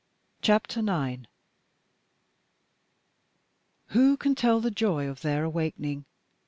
CHAPTER IX Who can tell the joy of their awakening?